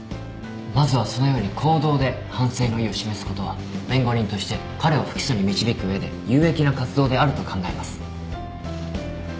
まずはそのように行動で反省の意を示すことは弁護人として彼を不起訴に導く上で有益な活動であると考えます。